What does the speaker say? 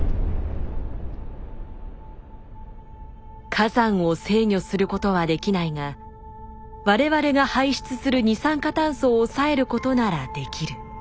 火山を制御することはできないが我々が排出する二酸化炭素を抑えることならできる。